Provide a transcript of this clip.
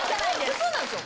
普通なんですよ